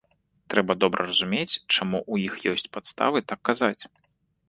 Трэба добра разумець, чаму ў іх ёсць падставы так казаць.